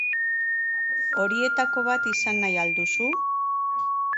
Horietako bat izan nahi al duzu?